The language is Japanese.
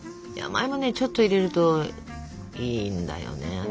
山芋ねちょっと入れるといいんだよね。